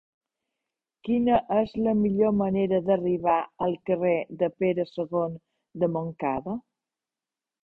Quina és la millor manera d'arribar al carrer de Pere II de Montcada?